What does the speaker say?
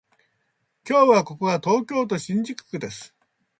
今日はここは東京都新宿区です